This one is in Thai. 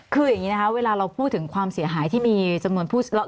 คืออย่างนี้นะคะเวลาเราพูดถึงความเสียหายที่มีจำนวนผู้